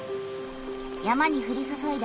山にふりそそいだ